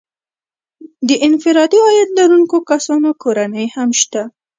د انفرادي عاید لرونکو کسانو کورنۍ هم شته